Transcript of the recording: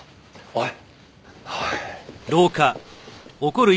おい。